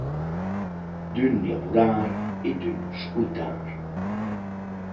D’ün lavurar e d’ün scuttar.